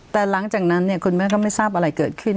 แต่หลังจากนั้นคุณแม่ก็ไม่ทราบอะไรเกิดขึ้น